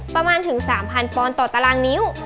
ประมาณถึง๓๐๐ปอนด์ต่อตารางนิ้ว